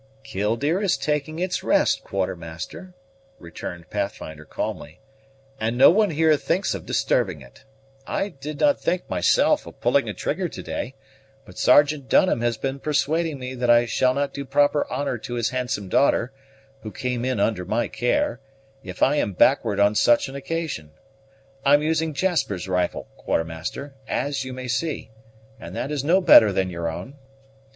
"Killdeer is taking its rest, Quartermaster," returned Pathfinder calmly, "and no one here thinks of disturbing it. I did not think, myself, of pulling a trigger to day; but Sergeant Dunham has been persuading me that I shall not do proper honor to his handsome daughter, who came in under my care, if I am backward on such an occasion. I'm using Jasper's rifle, Quartermaster, as you may see, and that is no better than your own."